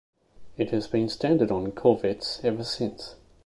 It has been standard on Corvettes ever since.